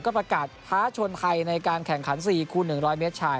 ก็ประกาศท้าชนไทยในการแข่งขัน๔คูณ๑๐๐เมตรชาย